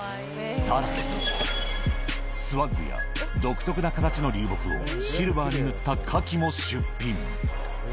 さらに、スワッグや独特な形の流木をシルバーに塗った花器も出品。